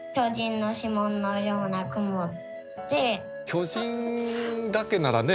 巨人だけならね